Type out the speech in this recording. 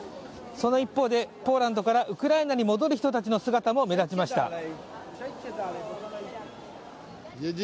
その一方で、ポーランドからウクライナに戻る人たちの姿も目立ちました。